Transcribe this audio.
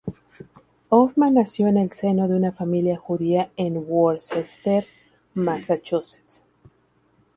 Hoffman nació en el seno de una familia judía en Worcester, Massachusetts.